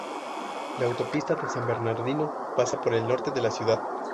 La autopista de San Bernardino pasa por el norte de la ciudad.